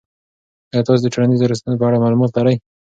آیا تاسو د ټولنیزو ارزښتونو په اړه معلومات لرئ؟